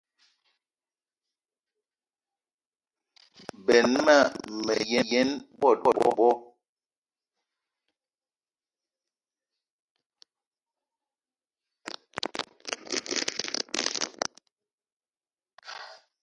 Benn ma me yen bot bo.